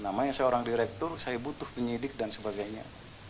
namanya seorang direktur saya butuh penyidik dan sebagainya